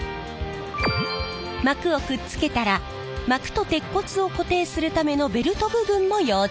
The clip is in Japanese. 膜をくっつけたら膜と鉄骨を固定するためのベルト部分も溶着。